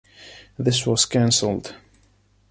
This was cancelled.